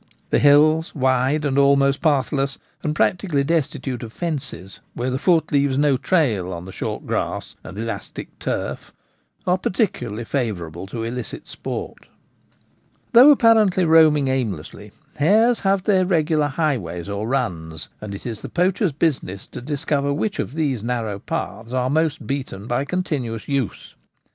The hills — wide and almost pathless, and practically des titute of fences — where the foot leaves no trail on the short grass and elastic turf, are peculiarly favour able to illicit sport. Though apparently roaming aimlessly, hares have their regular highways or i runs ;' and it is the poacher's business to discover which of these narrow paths are most beaten by continuous use.